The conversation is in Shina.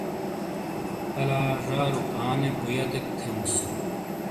الا زارو آنے بُویَتیک تھیموس۔